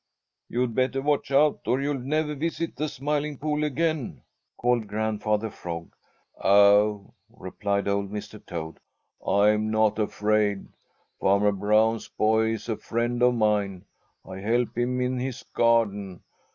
"You'd better watch out, or you'll never visit the Smiling Pool again," called Grandfather Frog. "Oh," replied old Mr. Toad, "I'm not afraid. Farmer Brown's boy is a friend of mine. I help him in his garden.